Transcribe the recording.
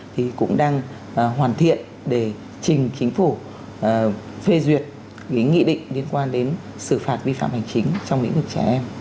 thì cũng đang hoàn thiện để trình chính phủ phê duyệt cái nghị định liên quan đến xử phạt vi phạm hành chính trong lĩnh vực trẻ em